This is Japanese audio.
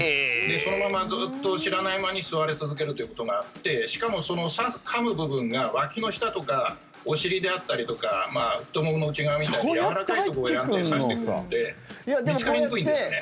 そのままずっと知らない間に吸われ続けるということがあってしかも、そのかむ部分がわきの下とかお尻であったりとか太ももの内側みたいにやわらかいところを選んで刺してくるので見つかりにくいんですよね。